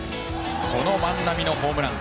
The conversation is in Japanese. この万波のホームラン。